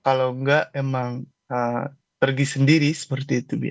kalau enggak emang pergi sendiri seperti itu